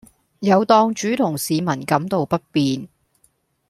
有檔主同市民感到不便